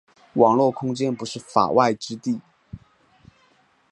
网络空间不是“法外之地”。